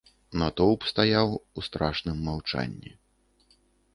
Натоўп стаяў у страшным маўчанні.